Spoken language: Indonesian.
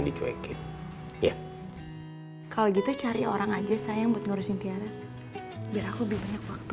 dicuekin ya kalau gitu cari orang aja saya yang buat ngurusin tiara biar aku lebih banyak waktu